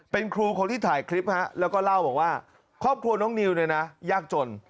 เป็นครูคนที่ถ่ายคลิปแล้วก็เล่าบอกว่าครอบครัวน้องนิวเนี่ยนะยากจน